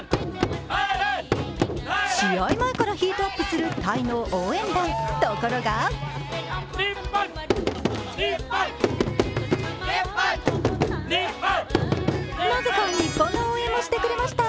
試合前からヒートアップするタイの応援団、ところがなぜか日本の応援もしてくれました。